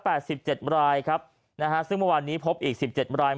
สิบเจ็ดรายครับนะฮะซึ่งเมื่อวานนี้พบอีกสิบเจ็ดราย